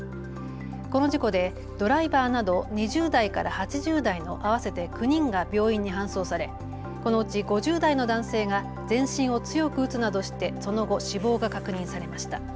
この事故でドライバーなど２０代から８０代の合わせて９人が病院に搬送されこのうち５０代の男性が全身を強く打つなどしてその後、死亡が確認されました。